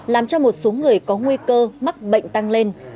làm cho một số người có nguy cơ mắc bệnh tăng lên